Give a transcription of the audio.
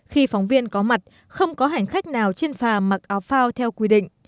khi phóng viên có mặt không có hành khách nào trên phà mặc áo phao theo quy định